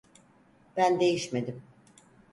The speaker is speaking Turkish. Ben değişmedim.